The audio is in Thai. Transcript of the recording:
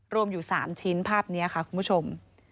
รวมอยู่๓ชิ้นภาพนี้ค่ะคุณผู้ชม